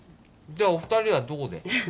じゃあお二人はどこで？